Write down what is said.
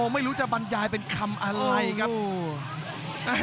ไม่รู้จะบรรยายเป็นคำอะไรครับ